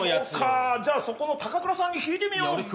そうかじゃあそこの高倉さんに聞いてみよう。